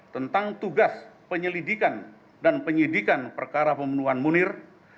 tentang tugas penyelidikan dan penyidikan perkara pembunuhan munir